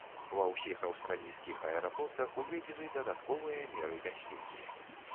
Ва ўсіх аўстралійскіх аэрапортах уведзены дадатковыя меры бяспекі.